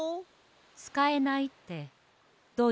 つかえないってどういうこと？